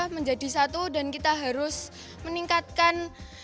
menjadi satu dan kita harus meningkatkan